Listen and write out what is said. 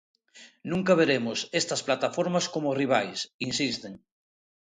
"Nunca veremos estas plataformas como rivais", insisten.